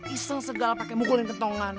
iseng segala pake mukulin kentongan